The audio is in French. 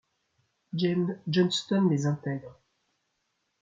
James Johnston les intègre.